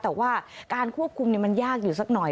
แต่ว่าการควบคุมมันยากอยู่สักหน่อย